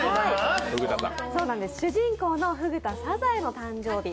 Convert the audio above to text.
主人公のフグ田サザエの誕生日。